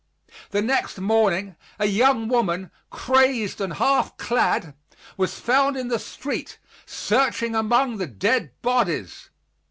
The next morning a young woman, crazed and half clad, was found in the street, searching among the dead bodies.